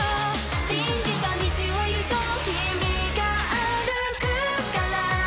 「信じた道を行こう君が歩くから」